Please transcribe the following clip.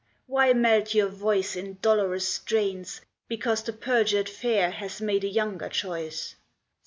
why melt your voice In dolorous strains, because the perjured fair Has made a younger choice?